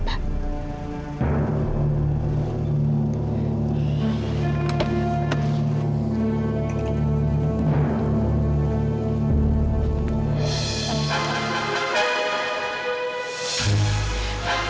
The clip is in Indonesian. ya baik ujian itu